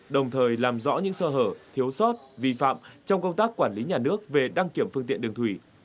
đồng thời làm rõ những sơ hở thiếu sót vi phạm trong công tác quản lý nhà nước về đăng kiểm phương tiện đường thủy